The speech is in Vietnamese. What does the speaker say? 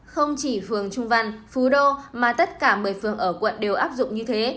không chỉ phường trung văn phú đô mà tất cả một mươi phường ở quận đều áp dụng như thế